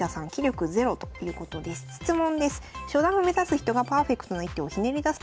「質問です」。